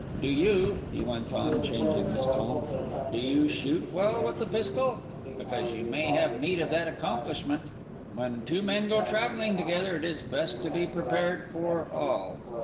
Do you," he went on, changing his tone, "do you shoot well with the pistol? Because you may have need of that accomplishment. When two men go travelling together, it is best to be prepared for all.